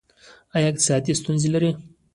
ایا اقتصادي ستونزې لرئ؟